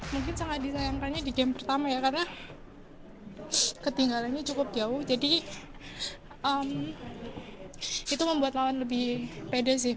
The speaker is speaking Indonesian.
mungkin sangat disayangkannya di game pertama ya karena ketinggalannya cukup jauh jadi itu membuat lawan lebih pede sih